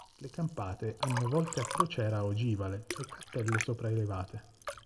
Le campate hanno volte a crociera ogivale e cappelle sopraelevate.